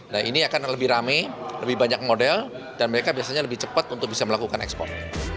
nah ini akan lebih rame lebih banyak model dan mereka biasanya lebih cepat untuk bisa melakukan ekspor